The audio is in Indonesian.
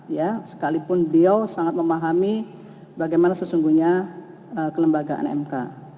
ya sekalipun beliau sangat memahami bagaimana sesungguhnya kelembagaan mk